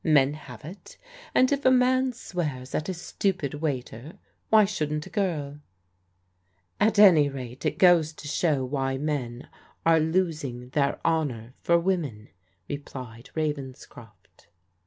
Men have it And if a man swears at a stupid waiter, why shouldn't a girl ?"" At any rate it goes to show why men are losing their honour for women," replied Ravenscroft.